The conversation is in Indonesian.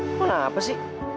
oh kenapa sih